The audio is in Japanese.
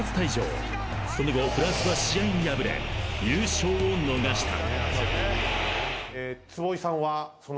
［その後フランスは試合に敗れ優勝を逃した］